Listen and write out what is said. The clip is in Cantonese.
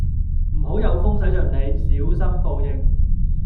唔好有風使盡 𢃇， 小心報應